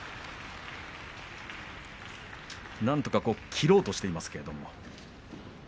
なんとか切ろうとしていますけれども。